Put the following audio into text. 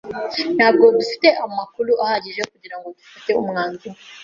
Ntabwo dufite amakuru ahagije kugirango dufate umwanzuro.